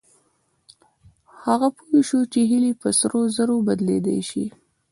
هغه پوه شو چې هيلې په سرو زرو بدلېدلای شي.